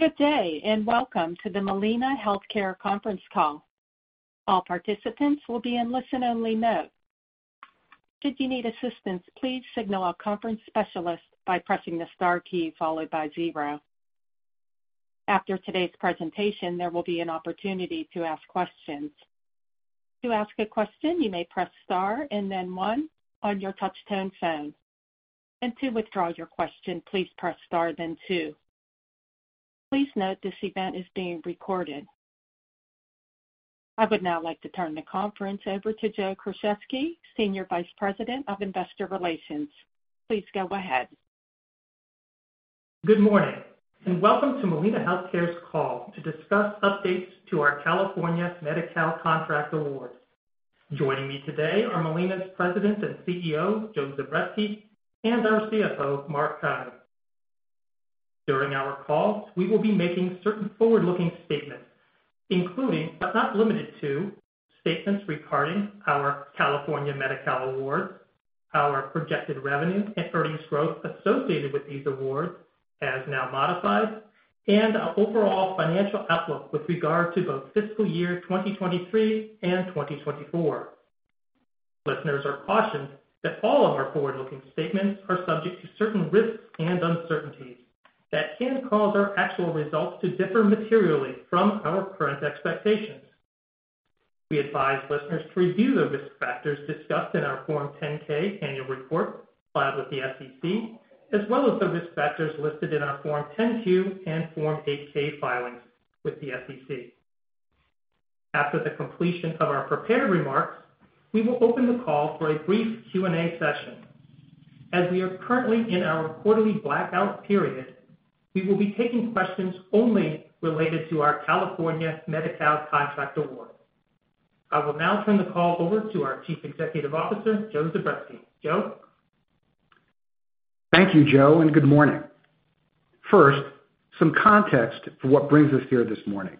Good day. Welcome to the Molina Healthcare conference call. All participants will be in listen-only mode. Should you need assistance, please signal our conference specialist by pressing the star key followed by zero. After today's presentation, there will be an opportunity to ask questions. To ask a question, you may press star and then one on your touchtone phone. To withdraw your question, please press star then two. Please note this event is being recorded. I would now like to turn the conference over to Jeff Geyer, Senior Vice President of Investor Relations. Please go ahead. Good morning, and welcome to Molina Healthcare's call to discuss updates to our California Medi-Cal contract awards. Joining me today are Molina's President and CEO, Joseph Zubretsky, and our CFO, Mark Keim. During our call, we will be making certain forward-looking statements, including, but not limited to, statements regarding our California Medi-Cal awards, our projected revenue and earnings growth associated with these awards as now modified, and our overall financial outlook with regard to both fiscal year 2023 and 2024. Listeners are cautioned that all of our forward-looking statements are subject to certain risks and uncertainties that can cause our actual results to differ materially from our current expectations. We advise listeners to review the risk factors discussed in our Form 10-K annual report filed with the SEC, as well as the risk factors listed in our Form 10-Q and Form 8-K filings with the SEC. After the completion of our prepared remarks, we will open the call for a brief Q&A session. We are currently in our quarterly blackout period, we will be taking questions only related to our California Medi-Cal contract award. I will now turn the call over to our Chief Executive Officer, Joseph Zubretsky. Joe? Thank you, Jeff. Good morning. First, some context for what brings us here this morning.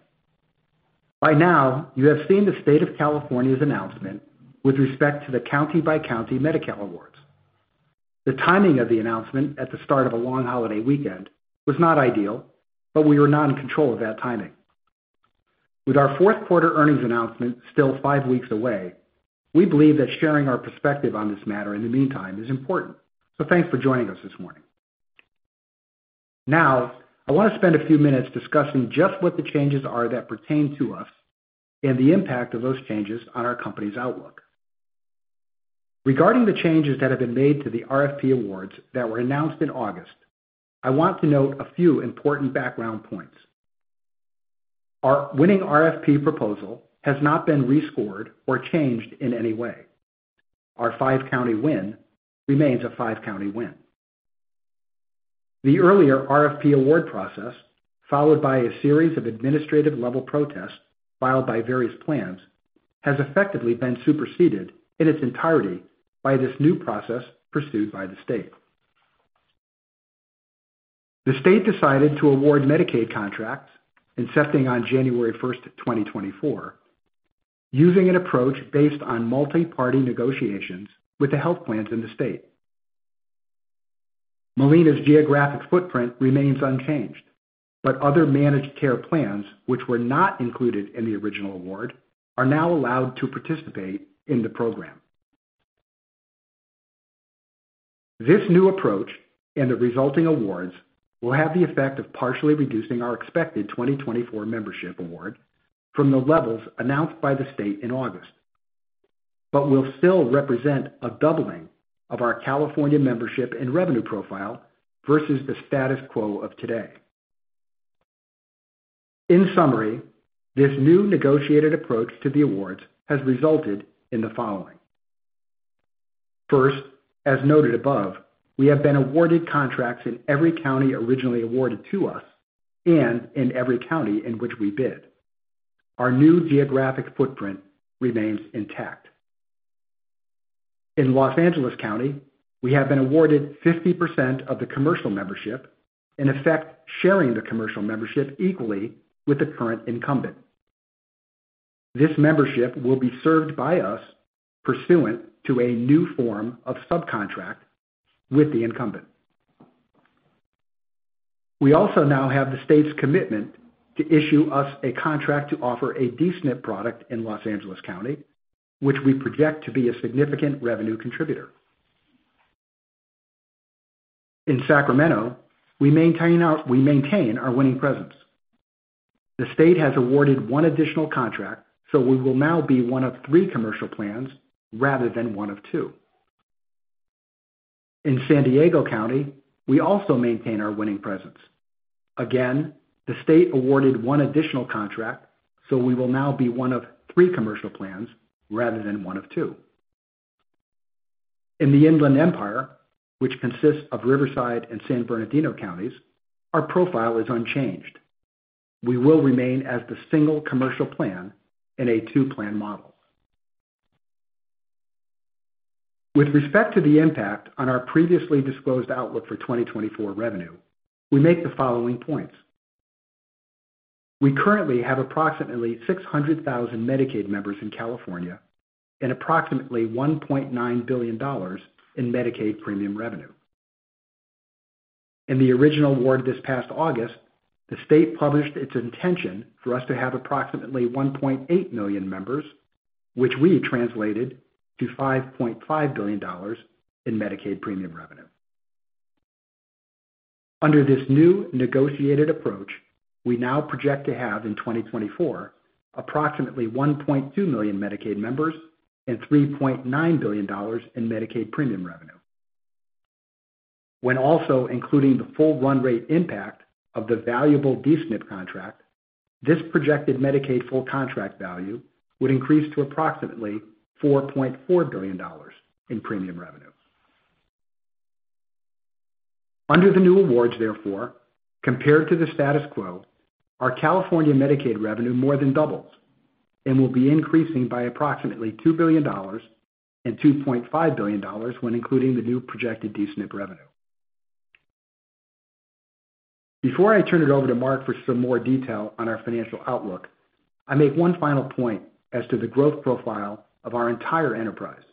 By now, you have seen the State of California's announcement with respect to the county-by-county Medi-Cal awards. The timing of the announcement at the start of a long holiday weekend was not ideal. We were not in control of that timing. With our fourth quarter earnings announcement still five weeks away, we believe that sharing our perspective on this matter in the meantime is important. Thanks for joining us this morning. Now, I want to spend a few minutes discussing just what the changes are that pertain to us and the impact of those changes on our company's outlook. Regarding the changes that have been made to the RFP awards that were announced in August, I want to note a few important background points. Our winning RFP proposal has not been rescored or changed in any way. Our five-county win remains a five-county win. The earlier RFP award process, followed by a series of administrative-level protests filed by various plans, has effectively been superseded in its entirety by this new process pursued by the state. The state decided to award Medicaid contracts incepting on January 1st, 2024, using an approach based on multi-party negotiations with the health plans in the state. Molina's geographic footprint remains unchanged, other managed care plans which were not included in the original award are now allowed to participate in the program. This new approach and the resulting awards will have the effect of partially reducing our expected 2024 membership award from the levels announced by the state in August, will still represent a doubling of our California membership and revenue profile versus the status quo of today. In summary, this new negotiated approach to the awards has resulted in the following. First, as noted above, we have been awarded contracts in every county originally awarded to us and in every county in which we bid. Our new geographic footprint remains intact. In Los Angeles County, we have been awarded 50% of the commercial membership, in effect sharing the commercial membership equally with the current incumbent. This membership will be served by us pursuant to a new form of subcontract with the incumbent. We also now have the state's commitment to issue us a contract to offer a DSNP product in Los Angeles County, which we project to be a significant revenue contributor. In Sacramento, we maintain our winning presence. The state has awarded one additional contract, so we will now be one of three commercial plans rather than one of two. In San Diego County, we also maintain our winning presence. Again, the state awarded one additional contract, so we will now be one of three commercial plans rather than one of two. In the Inland Empire, which consists of Riverside and San Bernardino counties, our profile is unchanged. We will remain as the single commercial plan in a two-plan model. With respect to the impact on our previously disclosed outlook for 2024 revenue, we make the following points. We currently have approximately 600,000 Medicaid members in California and approximately $1.9 billion in Medicaid premium revenue. In the original award this past August, the state published its intention for us to have approximately 1.8 million members, which we translated to $5.5 billion in Medicaid premium revenue. Under this new negotiated approach, we now project to have, in 2024, approximately 1.2 million Medicaid members and $3.9 billion in Medicaid premium revenue. When also including the full run rate impact of the valuable D-SNP contract, this projected Medicaid full contract value would increase to approximately $4.4 billion in premium revenue. Under the new awards therefore, compared to the status quo, our California Medicaid revenue more than doubles and will be increasing by approximately $2 billion and $2.5 billion when including the new projected D-SNP revenue. Before I turn it over to Mark for some more detail on our financial outlook, I make one final point as to the growth profile of our entire enterprise.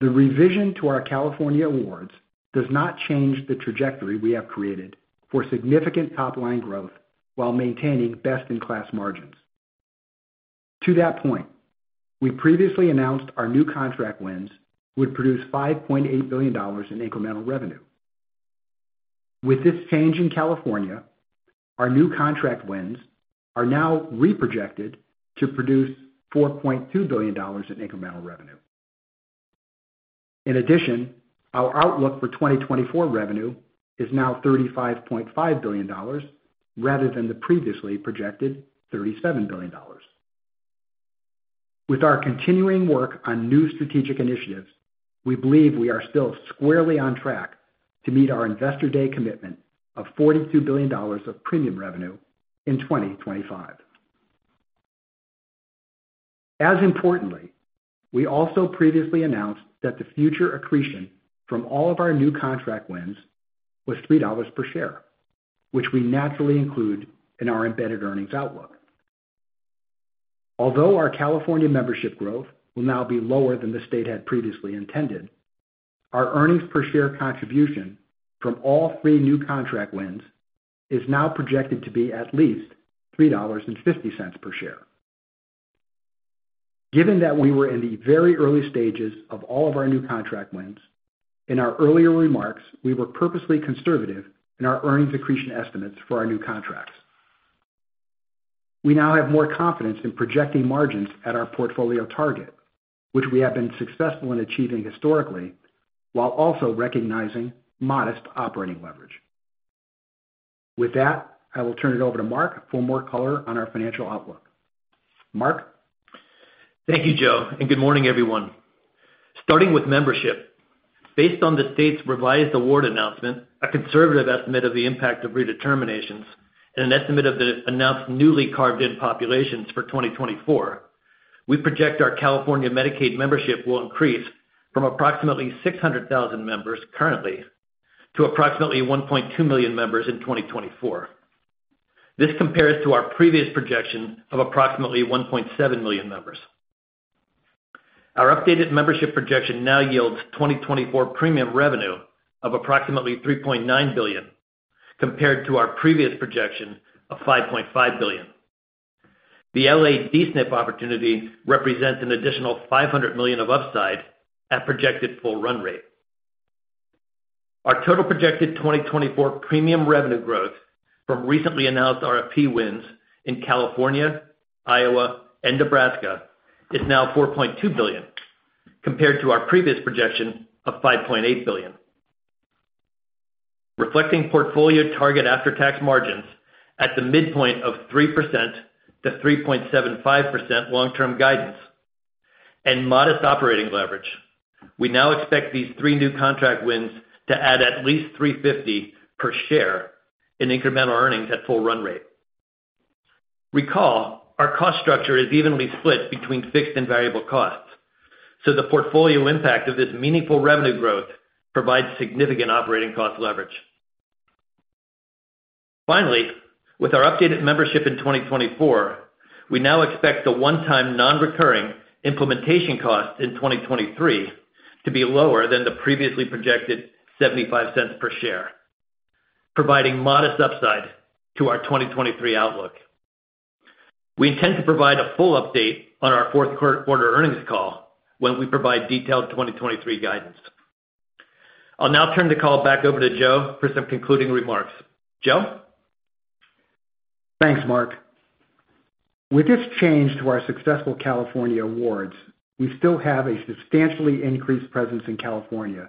The revision to our California awards does not change the trajectory we have created for significant top line growth while maintaining best in class margins. To that point, we previously announced our new contract wins would produce $5.8 billion in incremental revenue. With this change in California, our new contract wins are now reprojected to produce $4.2 billion in incremental revenue. In addition, our outlook for 2024 revenue is now $35.5 billion rather than the previously projected $37 billion. With our continuing work on new strategic initiatives, we believe we are still squarely on track to meet our Investor Day commitment of $42 billion of premium revenue in 2025. We also previously announced that the future accretion from all of our new contract wins was $3 per share, which we naturally include in our embedded earnings outlook. Our California membership growth will now be lower than the state had previously intended, our earnings per share contribution from all three new contract wins is now projected to be at least $3.50 per share. Given that we were in the very early stages of all of our new contract wins, in our earlier remarks, we were purposely conservative in our earnings accretion estimates for our new contracts. We now have more confidence in projecting margins at our portfolio target, which we have been successful in achieving historically, while also recognizing modest operating leverage. With that, I will turn it over to Mark for more color on our financial outlook. Mark? Thank you, Joe. Good morning, everyone. Starting with membership. Based on the state's revised award announcement, a conservative estimate of the impact of redeterminations, and an estimate of the announced newly carved in populations for 2024, we project our California Medicaid membership will increase from approximately 600,000 members currently to approximately 1.2 million members in 2024. This compares to our previous projection of approximately 1.7 million members. Our updated membership projection now yields 2024 premium revenue of approximately $3.9 billion, compared to our previous projection of $5.5 billion. The L.A. D-SNP opportunity represents an additional $500 million of upside at projected full run rate. Our total projected 2024 premium revenue growth from recently announced RFP wins in California, Iowa, and Nebraska is now $4.2 billion, compared to our previous projection of $5.8 billion. Reflecting portfolio target after-tax margins at the midpoint of 3%-3.75% long-term guidance and modest operating leverage, we now expect these three new contract wins to add at least $3.50 per share in incremental earnings at full run rate. Recall, our cost structure is evenly split between fixed and variable costs, so the portfolio impact of this meaningful revenue growth provides significant operating cost leverage. With our updated membership in 2024, we now expect the one-time non-recurring implementation costs in 2023 to be lower than the previously projected $0.75 per share, providing modest upside to our 2023 outlook. We intend to provide a full update on our fourth quarter earnings call when we provide detailed 2023 guidance. I'll now turn the call back over to Joe for some concluding remarks. Joe? Thanks, Mark. With this change to our successful California awards, we still have a substantially increased presence in California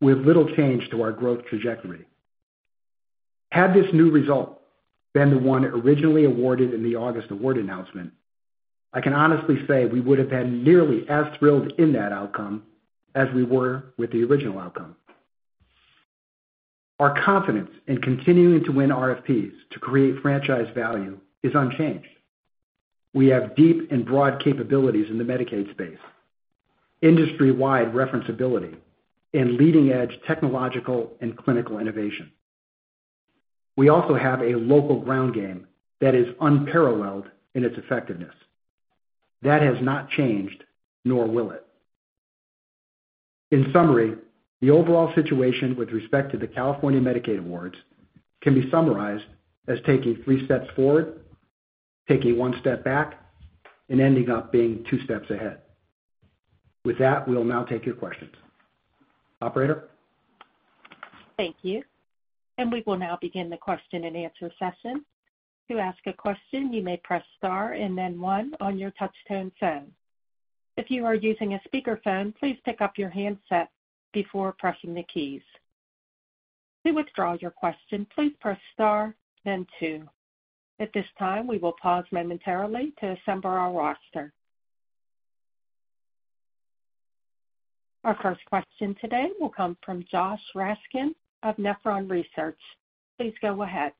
with little change to our growth trajectory. Had this new result been the one originally awarded in the August award announcement, I can honestly say we would have been nearly as thrilled in that outcome as we were with the original outcome. Our confidence in continuing to win RFPs to create franchise value is unchanged. We have deep and broad capabilities in the Medicaid space, industry-wide reference ability, and leading-edge technological and clinical innovation. We also have a local ground game that is unparalleled in its effectiveness. That has not changed, nor will it. In summary, the overall situation with respect to the California Medicaid awards can be summarized as taking three steps forward, taking one step back, and ending up being two steps ahead. With that, we'll now take your questions. Operator? Thank you. We will now begin the Q&A session. To ask a question, you may press star and then one on your touch-tone phone. If you are using a speaker phone, please pick up your handset before pressing the keys. To withdraw your question, please press star then two. At this time, we will pause momentarily to assemble our roster. Our first question today will come from Joshua Raskin of Nephron Research. Please go ahead.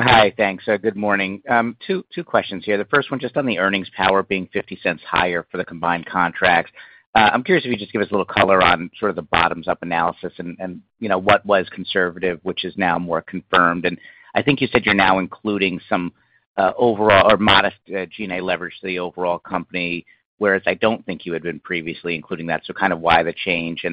Hi. Thanks. Good morning. Two questions here. The first one just on the earnings power being $0.50 higher for the combined contract. I'm curious if you just give us a little color on sort of the bottoms up analysis and, you know, what was conservative, which is now more confirmed. I think you said you're now including some overall or modest G&A leverage to the overall company, whereas I don't think you had been previously including that. Kind of why the change?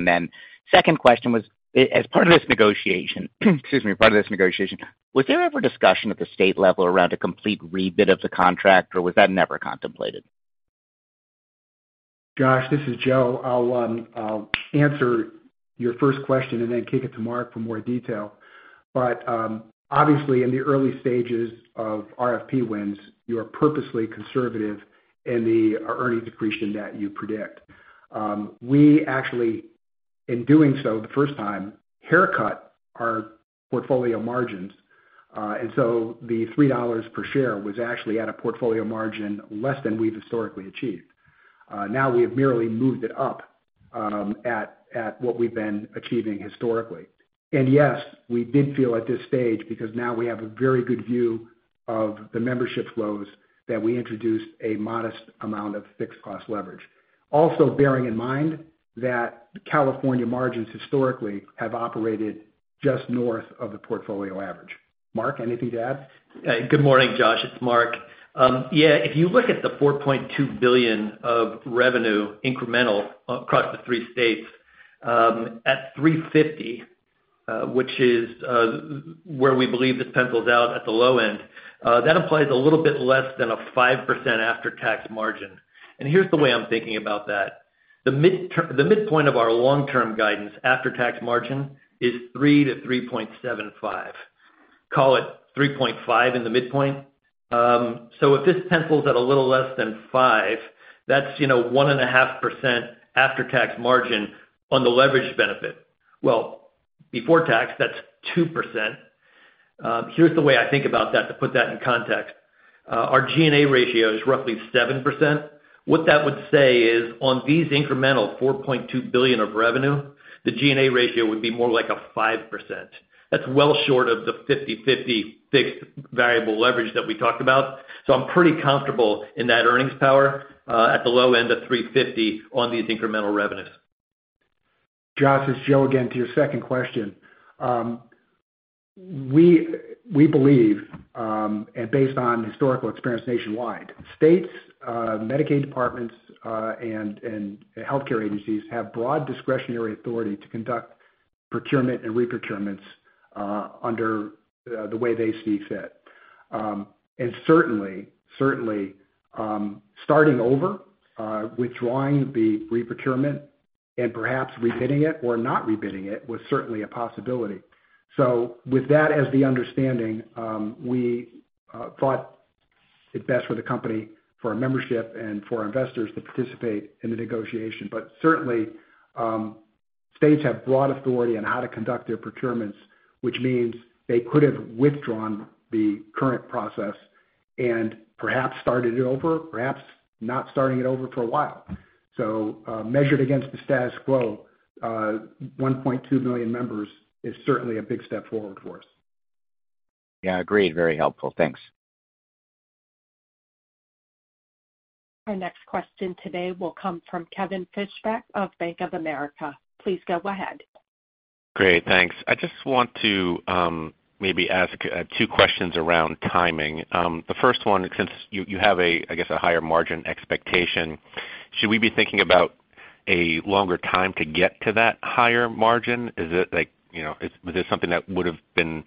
Second question was, as part of this negotiation, excuse me, part of this negotiation, was there ever discussion at the state level around a complete rebid of the contract, or was that never contemplated? Josh, this is Joe. I'll answer your first question and then kick it to Mark for more detail. Obviously in the early stages of RFP wins, you are purposely conservative in the earnings accretion that you predict. We actually, in doing so the first time, haircut our portfolio margins, and so the $3 per share was actually at a portfolio margin less than we've historically achieved. Now we have merely moved it up at what we've been achieving historically. Yes, we did feel at this stage, because now we have a very good view of the membership flows, that we introduced a modest amount of fixed cost leverage. Also bearing in mind that California margins historically have operated just north of the portfolio average. Mark, anything to add? Good morning, Josh. It's Mark. Yeah, if you look at the $4.2 billion of revenue incremental across the three states, at $350, which is where we believe this pencils out at the low end, that implies a little bit less than a 5% after-tax margin. Here's the way I'm thinking about that. The midpoint of our long-term guidance after-tax margin is 3%-3.75%. Call it 3.5% in the midpoint. If this pencils at a little less than 5%, that's, you know, 1.5% after-tax margin on the leverage benefit. Before tax, that's 2%. Here's the way I think about that to put that in context. Our G&A ratio is roughly 7%. What that would say is on these incremental $4.2 billion of revenue, the G&A ratio would be more like a 5%. That's well short of the 50/50 fixed variable leverage that we talked about. I'm pretty comfortable in that earnings power, at the low end of $3.50 on these incremental revenues. Josh, it's Joe again, to your second question. We believe, based on historical experience nationwide, states, Medicaid departments, and healthcare agencies have broad discretionary authority to conduct procurement and re-procurements under the way they see fit. Certainly, starting over, withdrawing the re-procurement and perhaps rebidding it or not rebidding it was certainly a possibility. With that as the understanding, we thought it best for the company, for our membership and for our investors to participate in the negotiation. Certainly, states have broad authority on how to conduct their procurements, which means they could have withdrawn the current process and perhaps started it over, perhaps not starting it over for a while. Measured against the status quo, 1.2 million members is certainly a big step forward for us. Yeah, agreed. Very helpful. Thanks. Our next question today will come from Kevin Fischbeck of Bank of America. Please go ahead. Great, thanks. I just want to maybe ask two questions around timing. The first one, since you have a, I guess, a higher margin expectation, should we be thinking about a longer time to get to that higher margin? Is it like, you know, is this something that would have been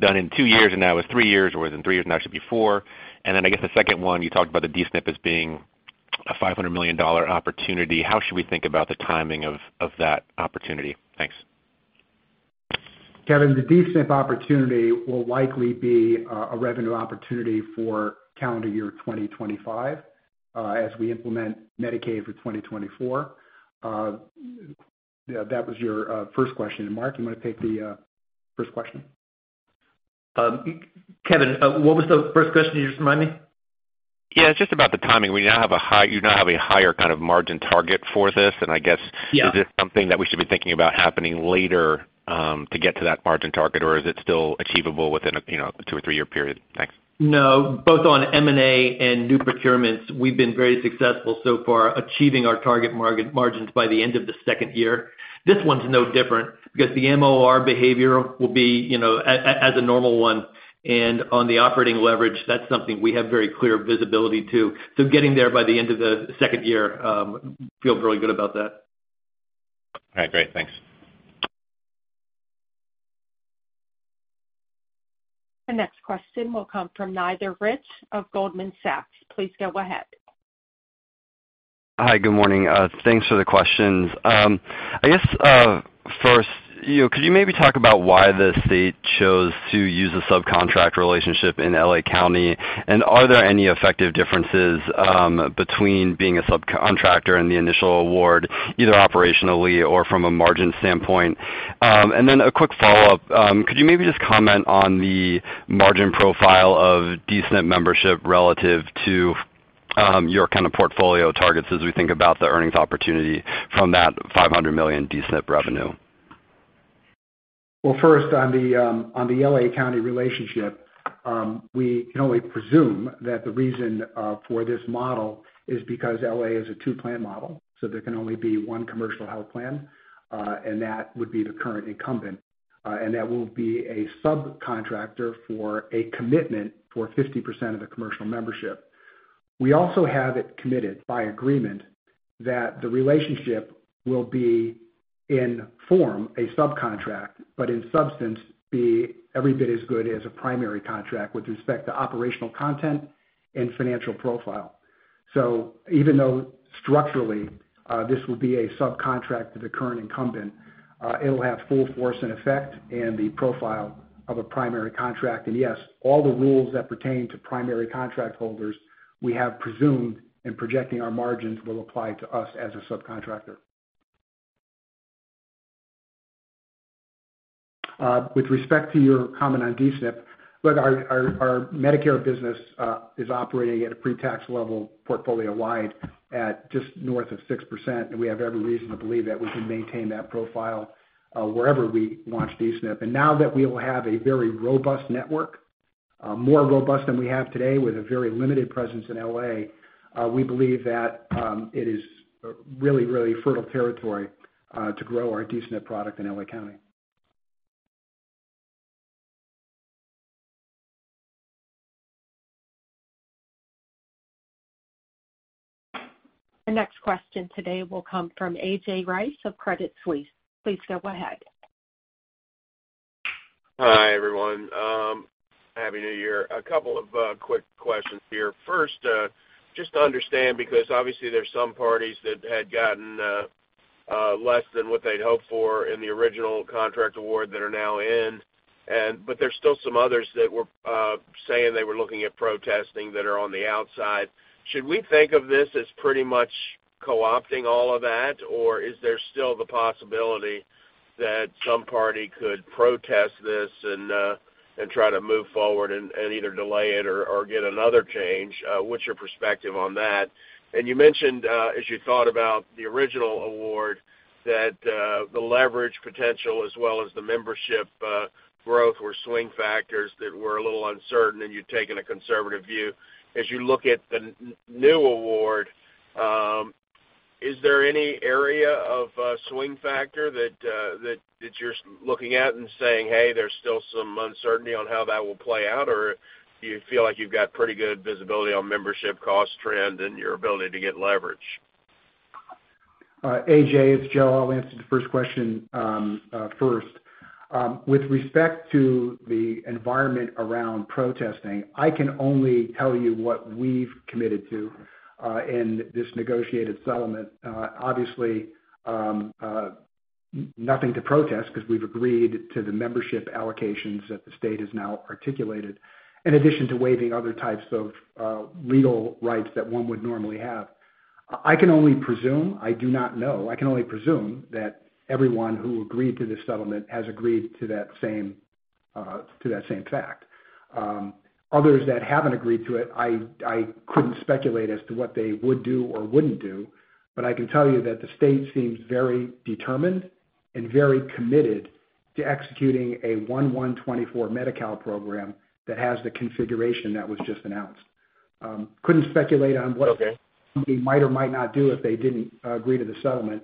done in two years and now is three years, or is it three years now should be four? I guess the second one, you talked about the D-SNP as being a $500 million opportunity. How should we think about the timing of that opportunity? Thanks. Kevin, the D-SNP opportunity will likely be a revenue opportunity for calendar year 2025, as we implement Medicaid for 2024. That was your first question. Mark, you want to take the first question? Kevin, what was the first question? Could you just remind me? Yeah, it's just about the timing. You now have a higher kind of margin target for this, and I guess. Yeah. -is this something that we should be thinking about happening later, to get to that margin target, or is it still achievable within a, you know, two or three-year period? Thanks. No. Both on M&A and new procurements, we've been very successful so far achieving our target margins by the end of the second year. This one's no different because the MOR behavior will be, you know, as a normal one, and on the operating leverage, that's something we have very clear visibility to. Getting there by the end of the second year, feel really good about that. All right, great. Thanks. The next question will come from Nate Fultz of Goldman Sachs. Please go ahead. Hi, good morning. Thanks for the questions. I guess, first, you know, could you maybe talk about why the state chose to use a subcontract relationship in L.A. County, and are there any effective differences, between being a subcontractor in the initial award, either operationally or from a margin standpoint? A quick follow-up, could you maybe just comment on the margin profile of DSNP membership relative to, your kind of portfolio targets as we think about the earnings opportunity from that $500 million DSNP revenue? First, on the on the L.A. County relationship, we can only presume that the reason for this model is because L.A. is a two-plan model, there can only be one commercial health plan, and that would be the current incumbent, and that will be a subcontractor for a commitment for 50% of the commercial membership. We also have it committed by agreement that the relationship will be in form a subcontract, but in substance be every bit as good as a primary contract with respect to operational content and financial profile. Even though structurally, this will be a subcontract to the current incumbent, it'll have full force and effect and the profile of a primary contract. Yes, all the rules that pertain to primary contract holders, we have presumed in projecting our margins will apply to us as a subcontractor. With respect to your comment on DSNP, look, our Medicare business is operating at a pre-tax level portfolio-wide at just north of 6%, and we have every reason to believe that we can maintain that profile wherever we launch DSNP. Now that we will have a very robust network, more robust than we have today with a very limited presence in L.A., we believe that it is really, really fertile territory to grow our DSNP product in L.A. County. The next question today will come from A.J. Rice of Credit Suisse. Please go ahead. Hi, everyone. Happy New Year. A couple of, quick questions here. First, just to understand, because obviously there's some parties that had gotten, less than what they'd hoped for in the original contract award that are now in, and but there's still some others that were, saying they were looking at protesting that are on the outside. Should we think of this as pretty much co-opting all of that, or is there still the possibility that some party could protest this and try to move forward and either delay it or get another change? What's your perspective on that? You mentioned, as you thought about the original award, that, the leverage potential as well as the membership, growth were swing factors that were a little uncertain, and you'd taken a conservative view. As you look at the new award, is there any area of swing factor that you're looking at and saying, "Hey, there's still some uncertainty on how that will play out," or do you feel like you've got pretty good visibility on membership cost trend and your ability to get leverage? A.J., it's Joe. I'll answer the first question first. With respect to the environment around protesting, I can only tell you what we've committed to in this negotiated settlement. Obviously, nothing to protest because we've agreed to the membership allocations that the state has now articulated, in addition to waiving other types of legal rights that one would normally have. I can only presume, I do not know, I can only presume that everyone who agreed to this settlement has agreed to that same fact. Others that haven't agreed to it, I couldn't speculate as to what they would do or wouldn't do, but I can tell you that the state seems very determined and very committed to executing a January 1st, 2024 Medi-Cal program that has the configuration that was just announced. couldn't speculate on what-. Okay. they might or might not do if they didn't agree to the settlement,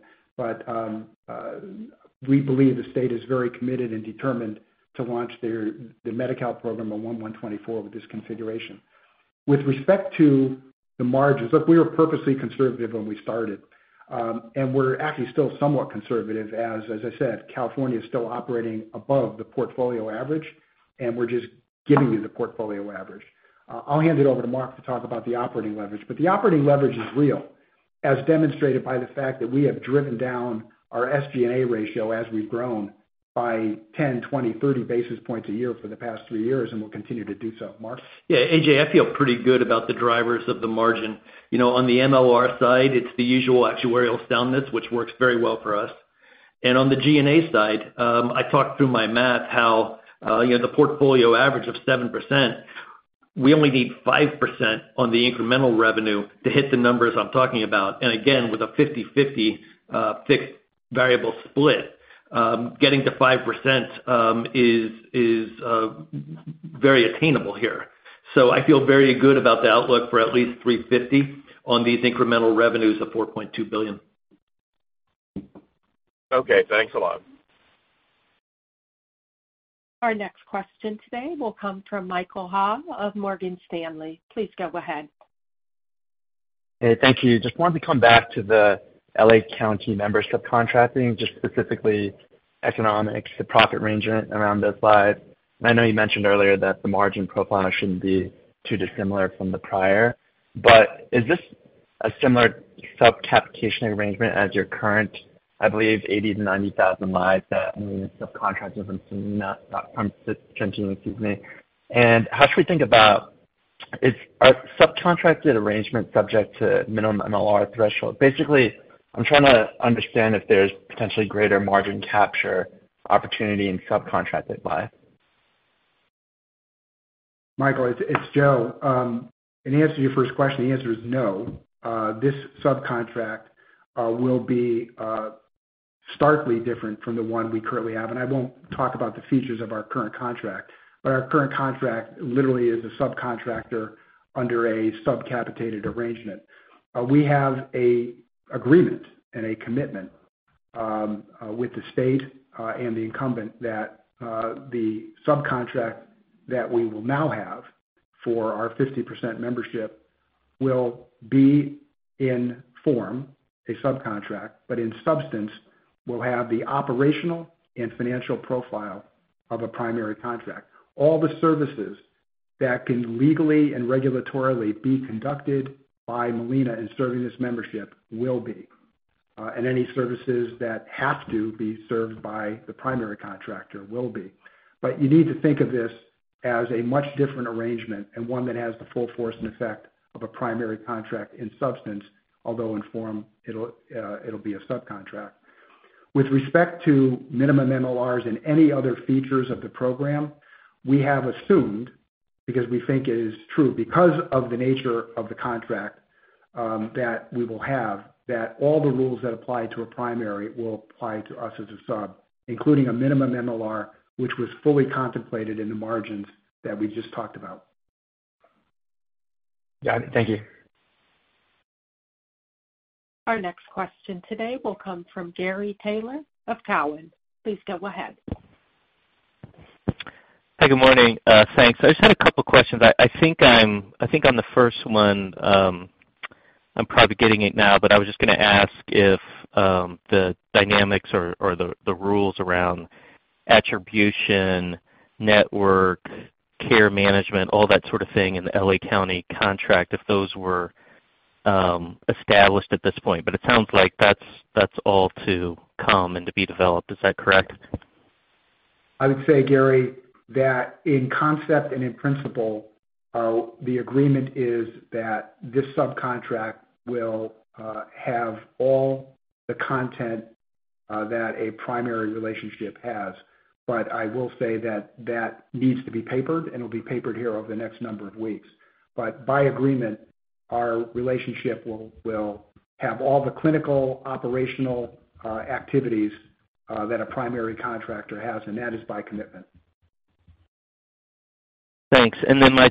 we believe the state is very committed and determined to launch the Medi-Cal program on January 1st, 2024 with this configuration. With respect to the margins, look, we were purposely conservative when we started, and we're actually still somewhat conservative as I said, California is still operating above the portfolio average, and we're just giving you the portfolio average. I'll hand it over to Mark to talk about the operating leverage. The operating leverage is real, as demonstrated by the fact that we have driven down our SG&A ratio as we've grown by 10, 20, 30 basis points a year for the past three years, and we'll continue to do so. Mark? Yeah, A.J., I feel pretty good about the drivers of the margin. You know, on the MOR side, it's the usual actuarial soundness, which works very well for us. On the G&A side, I talked through my math how, you know, the portfolio average of 7%, we only need 5% on the incremental revenue to hit the numbers I'm talking about. Again, with a 50/50 fixed variable split, getting to 5% is very attainable here. I feel very good about the outlook for at least $350 million on these incremental revenues of $4.2 billion. Okay, thanks a lot. Our next question today will come from Michael Ha of Morgan Stanley. Please go ahead. Hey, thank you. Just wanted to come back to the L.A. County membership contracting, just specifically economics, the profit arrangement around those lives. I know you mentioned earlier that the margin profile shouldn't be too dissimilar from the prior. Is this a similar sub-capitation arrangement as your current, I believe 80,000-90,000 lives that Molina subcontractors, I'm assuming that? How should we think about, are subcontracted arrangements subject to minimum MLR threshold? Basically, I'm trying to understand if there's potentially greater margin capture opportunity in subcontracted life. Michael, it's Joe. In answer to your first question, the answer is no. This subcontract will be starkly different from the one we currently have, and I won't talk about the features of our current contract. Our current contract literally is a subcontractor under a sub-capitated arrangement. We have an agreement and a commitment with the state and the incumbent that the subcontract that we will now have for our 50% membership will be in form a subcontract, but in substance, will have the operational and financial profile of a primary contract. All the services that can legally and regulatorily be conducted by Molina in serving this membership will be, and any services that have to be served by the primary contractor will be. You need to think of this as a much different arrangement and one that has the full force and effect of a primary contract in substance, although in form, it'll be a subcontract. With respect to minimum MLRs and any other features of the program, we have assumed, because we think it is true, because of the nature of the contract, that all the rules that apply to a primary will apply to us as a sub, including a minimum MLR, which was fully contemplated in the margins that we just talked about. Got it. Thank you. Our next question today will come from Gary Taylor of Cowen. Please go ahead. Hi, good morning. Thanks. I just had a couple of questions. I think I'm the first one. I'm probably getting it now, but I was just gonna ask if the dynamics or the rules around attribution, network, care management, all that sort of thing in the L.A. County contract, if those were established at this point. It sounds like that's all to come and to be developed. Is that correct? I would say, Gary, that in concept and in principle, the agreement is that this subcontract will have all the content that a primary relationship has. I will say that that needs to be papered, and it'll be papered here over the next number of weeks. By agreement, our relationship will have all the clinical operational activities that a primary contractor has, and that is by commitment. Thanks.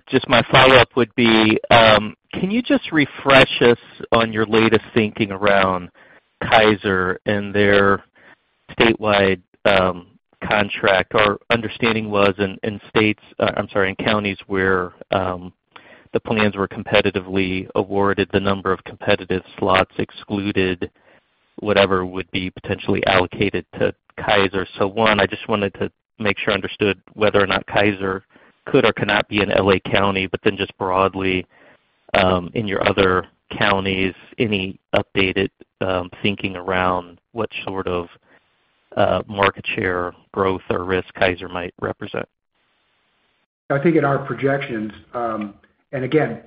Just my follow-up would be, can you just refresh us on your latest thinking around Kaiser and their statewide contract? Our understanding was in counties where the plans were competitively awarded, the number of competitive slots excluded whatever would be potentially allocated to Kaiser. I just wanted to make sure I understood whether or not Kaiser could or cannot be in L.A. County, just broadly, in your other counties, any updated thinking around what sort of market share growth or risk Kaiser might represent? I think in our projections, again,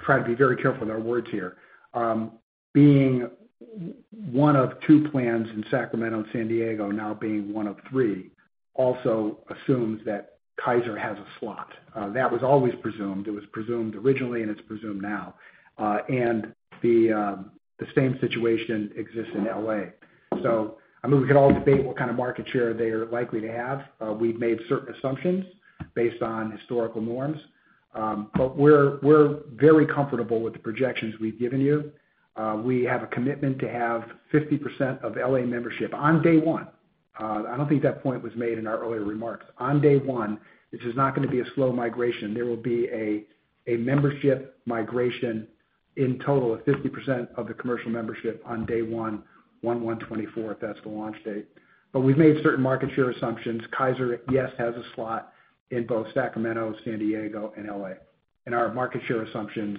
trying to be very careful with our words here, being one of two plans in Sacramento and San Diego now being one of three, also assumes that Kaiser has a slot. That was always presumed. It was presumed originally, and it's presumed now. The same situation exists in L.A. I mean, we can all debate what kind of market share they are likely to have. We've made certain assumptions based on historical norms. We're very comfortable with the projections we've given you. We have a commitment to have 50% of L.A. membership on day one. I don't think that point was made in our earlier remarks. On day one, this is not gonna be a slow migration. There will be a membership migration in total of 50% of the commercial membership on day one, 1/1/2024. That's the launch date. We've made certain market share assumptions. Kaiser, yes, has a slot in both Sacramento, San Diego and L.A. Our market share assumptions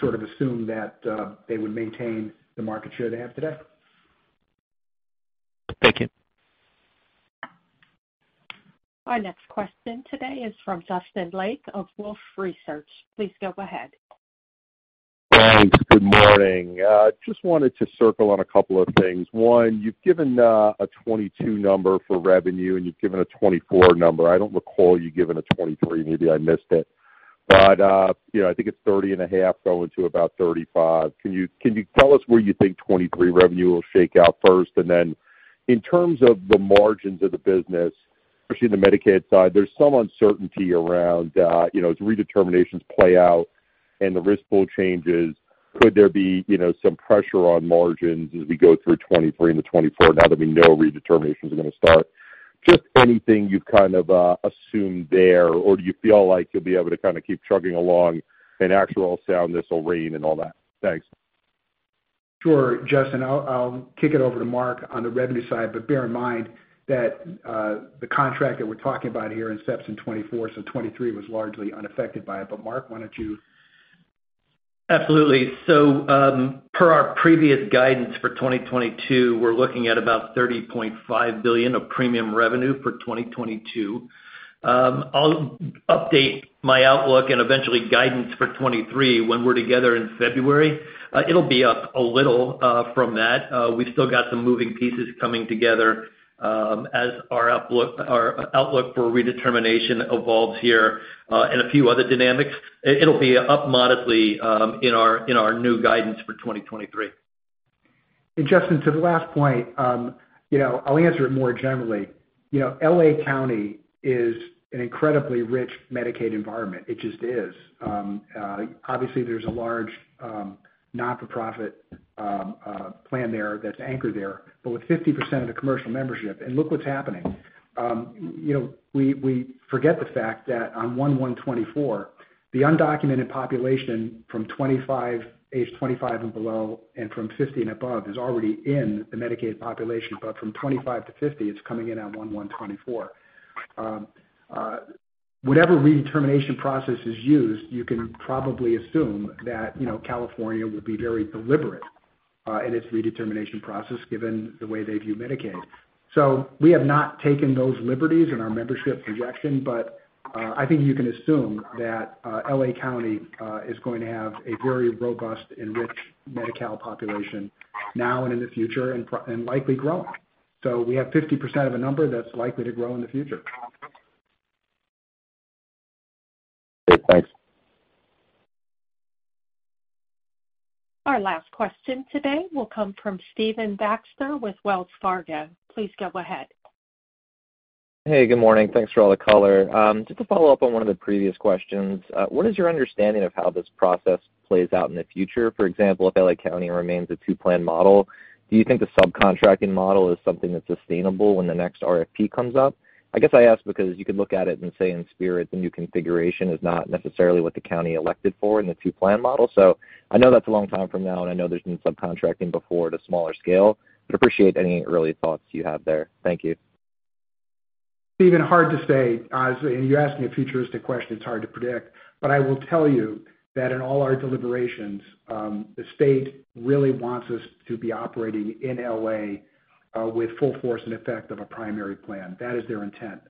sort of assume that they would maintain the market share they have today. Thank you. Our next question today is from Justin Lake of Wolfe Research. Please go ahead. Thanks. Good morning. Just wanted to circle on a couple of things. One, you've given a 2022 number for revenue, and you've given a 2024 number. I don't recall you giving a 2023. Maybe I missed it. You know, I think it's 30.5 going to about 35. Can you tell us where you think 2023 revenue will shake out first? In terms of the margins of the business, especially in the Medicaid side, there's some uncertainty around, you know, as redeterminations play out and the risk pool changes, could there be, you know, some pressure on margins as we go through 2023 into 2024 now that we know redeterminations are gonna start? Just anything you've kind of assumed there, or do you feel like you'll be able to kinda keep chugging along and actuarial soundness will reign and all that? Thanks. Sure. Justin Lake, I'll kick it over to Mark Keim on the revenue side, bear in mind that the contract that we're talking about here in steps in 2024, so 2023 was largely unaffected by it. Mark, why don't you... Absolutely. Per our previous guidance for 2022, we're looking at about $30.5 billion of premium revenue for 2022. I'll update my outlook and eventually guidance for 2023 when we're together in February. It'll be up a little from that. We've still got some moving pieces coming together as our outlook for redetermination evolves here and a few other dynamics. It'll be up modestly in our new guidance for 2023. Justin, to the last point, you know, I'll answer it more generally. You know, L.A. County is an incredibly rich Medicaid environment. It just is. Obviously, there's a large not-for-profit plan there that's anchored there, but with 50% of the commercial membership. Look what's happening. You know, we forget the fact that on January 1st, 2024, the undocumented population from 25, age 25 and below and from 50 and above is already in the Medicaid population. From 25 to 50, it's coming in at January 1st, 2024. Whatever redetermination process is used, you can probably assume that, you know, California will be very deliberate in its redetermination process, given the way they view Medicaid. We have not taken those liberties in our membership projection, but I think you can assume that L.A. County is going to have a very robust and rich Medi-Cal population now and in the future and likely growing. We have 50% of a number that's likely to grow in the future. Great. Thanks. Our last question today will come from Stephen Baxter with Wells Fargo. Please go ahead. Hey, good morning. Thanks for all the color. Just to follow up on one of the previous questions, what is your understanding of how this process plays out in the future? For example, if L.A. County remains a two-plan model, do you think the subcontracting model is something that's sustainable when the next RFP comes up? I guess I ask because you could look at it and say in spirit, the new configuration is not necessarily what the county elected for in the two-plan model. I know that's a long time from now, and I know there's been subcontracting before at a smaller scale, but appreciate any early thoughts you have there. Thank you. Stephen, hard to say. You asked me a futuristic question, it's hard to predict. I will tell you that in all our deliberations, the state really wants us to be operating in L.A. with full force and effect of a primary plan. That is their intent.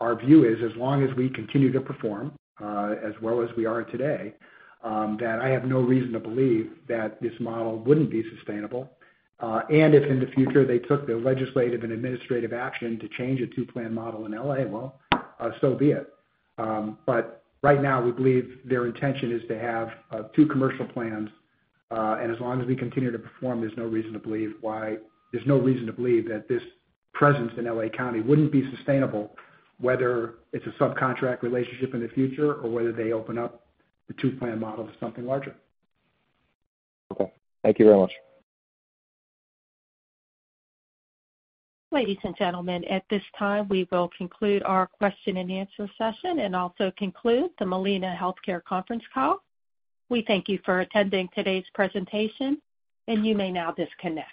Our view is as long as we continue to perform as well as we are today, that I have no reason to believe that this model wouldn't be sustainable. If in the future, they took the legislative and administrative action to change a two-plan model in L.A., well, so be it. Right now, we believe their intention is to have, two commercial plans, and as long as we continue to perform, there's no reason to believe that this presence in L.A. County wouldn't be sustainable, whether it's a subcontract relationship in the future or whether they open up the two-plan model to something larger. Okay. Thank you very much. Ladies and gentlemen, at this time, we will conclude our Q&A session and also conclude the Molina Healthcare conference call. We thank you for attending today's presentation, and you may now disconnect.